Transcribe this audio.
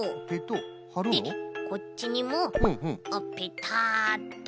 はるの？でこっちにもペタッと。